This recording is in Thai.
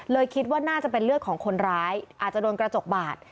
คิดว่าน่าจะเป็นเลือดของคนร้ายอาจจะโดนกระจกบาด